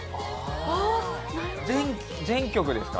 ああ全曲ですか？